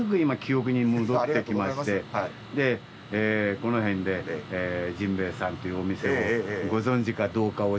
この辺で甚兵衛さんというお店をご存じかどうかを。